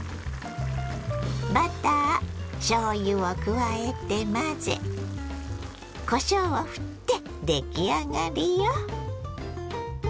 バターしょうゆを加えて混ぜこしょうをふって出来上がりよ。